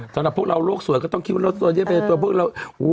สำหรับพวกเราโลกสวยก็ต้องคิดว่าลดโซเดียมไปในตัว